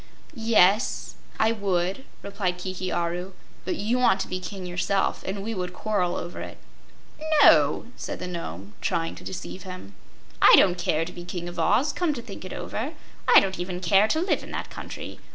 "Yes, I would," replied Kiki Aru; "but you want to be king yourself, and we would quarrel over it." "No," said the Nome, trying to deceive him. "I don't care to be King of Oz, come to think it over. I don't even care to live in that country.